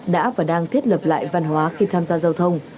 đã và đang thiết lập lại văn hóa khi tham gia giao thông